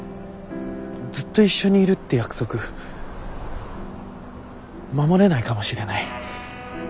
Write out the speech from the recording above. ずっと一緒にいるって約束守れないかもしれない。